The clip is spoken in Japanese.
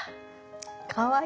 かわいい！